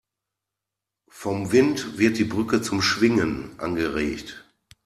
Vom Wind wird die Brücke zum Schwingen angeregt.